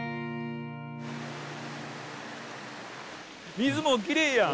水もきれいやん！